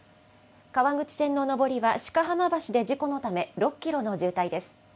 川口線の上りはしかはま橋で事故のため６キロの渋滞です。